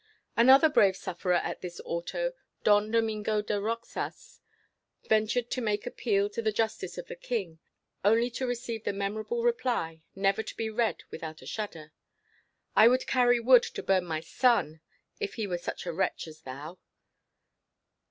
Another brave sufferer at this Auto, Don Domingo de Roxas, ventured to make appeal to the justice of the King, only to receive the memorable reply, never to be read without a shudder, "I would carry wood to burn my son, if he were such a wretch as thou!"